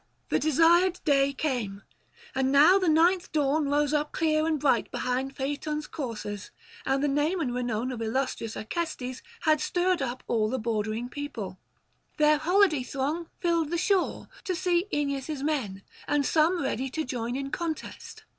The desired day came, and now the ninth Dawn rode up clear and bright behind Phaëthon's coursers; and the name and renown of illustrious Acestes had stirred up all the bordering people; their holiday throng filled the shore, to see Aeneas' men, and some ready to join in contest.